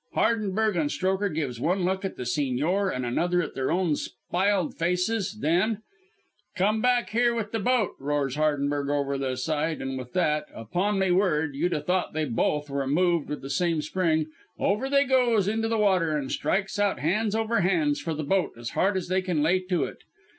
"Hardenberg and Strokher gives one look at the Sigñor and another at their own spiled faces, then: "'Come back here with the boat!' roars Hardenberg over the side, and with that (upon me word you'd a thought they two both were moved with the same spring) over they goes into the water and strikes out hands over hands for the boat as hard as ever they kin lay to it.